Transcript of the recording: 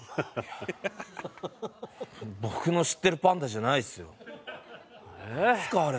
僕の知ってるパンダじゃないですよ。